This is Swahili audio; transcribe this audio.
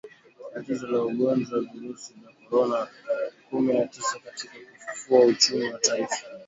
tatizo la ugonjwa wa virusi vya Korona kumi na tisa katika kufufua uchumi wa taifa